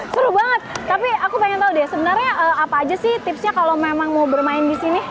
seru banget tapi aku pengen tahu deh sebenarnya apa aja sih tipsnya kalau memang mau bermain di sini